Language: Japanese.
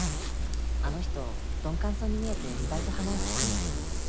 あの人鈍感そうに見えて意外と鼻は利くんで。